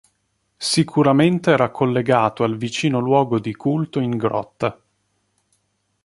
Sicuramente era collegato al vicino luogo di culto in grotta.